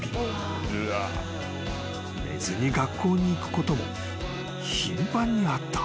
［寝ずに学校に行くことも頻繁にあった］